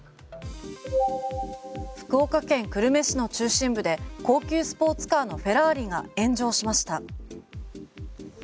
福岡県久留米市の中心部で高級スポーツカーのフェラーリが炎上しました。